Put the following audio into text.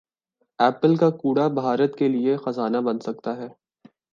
apple کا کوڑا بھارت کیلئے خزانہ بن سکتا ہے